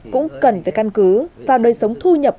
cũng cần phải căn cứ vào đời sống thu nhập